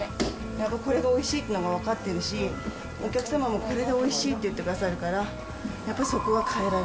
やっぱりこれがおいしいっていうのが分かってるし、お客様もこれがおいしいって言ってくださるから。